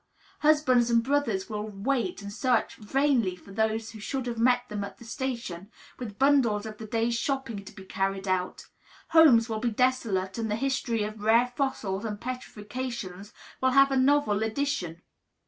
Husbands and brothers will wait and search vainly for those who should have met them at the station, with bundles of the day's shopping to be carried out; homes will be desolate; and the history of rare fossils and petrifactions will have a novel addition.